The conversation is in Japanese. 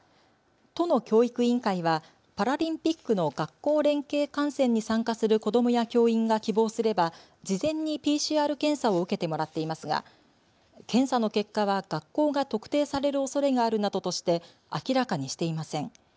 都の教育委員会はパラリンピックの学校連携観戦に参加する子どもや教員が希望すれば、事前にＰＣＲ検査を受けてもらっていますが検査の結果は学校が特定されるおそれがあるなどとして明らかにしていません。